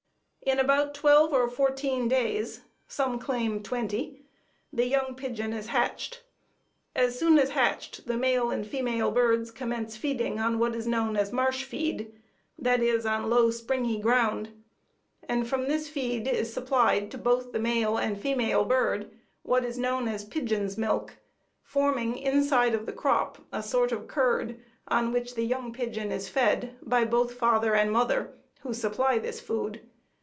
In about twelve or fourteen days some claim twenty the young pigeon is hatched. As soon as hatched the male and female birds commence feeding on what is known as marsh feed, that is, on low, springy ground. And from this feed is supplied to both the male and female bird what is known as pigeon's milk, forming inside of the crop a sort of curd, on which the young pigeon is fed by both father and mother, who supply this food.